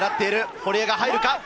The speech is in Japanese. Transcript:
堀江が入るか？